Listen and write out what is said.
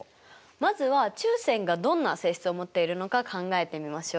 まずは中線がどんな性質を持っているのか考えてみましょう。